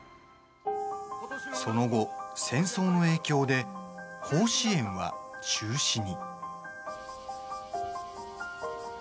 その後、戦争の影響で甲子園は中止に。